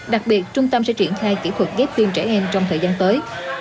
đặc biệt trung tâm sẽ triển khai kỹ thuật ghép tim trẻ em trong thời gian tới